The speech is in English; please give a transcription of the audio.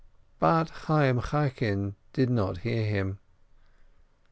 But Chayyim Chaikin did not hear him.